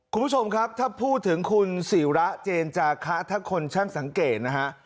คุณผู้ชมครับถ้าพูดถึงคุณศิระเจนจาคะถ้าคนช่างสังเกตนะฮะ